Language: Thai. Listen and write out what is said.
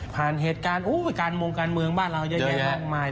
เหตุการณ์การมงการเมืองบ้านเราเยอะแยะมากมาย